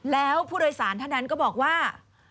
แล้วผู้โดยสารท่านนั้นก็บอกว่า